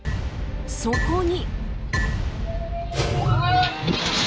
そこに。